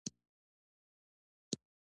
غږيز کتابونه د وخت سپما را منځ ته کوي.